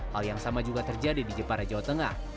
hal yang sama juga terjadi di jepara jawa tengah